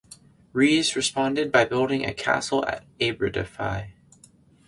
Rhys responded by building a castle at Aberdyfi.